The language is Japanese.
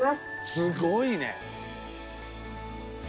すごいね！